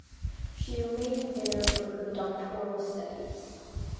She remained there for her doctoral studies.